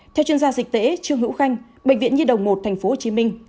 theo chuyên gia dịch tễ trương hữu khanh bệnh viện nhi đồng một tp hcm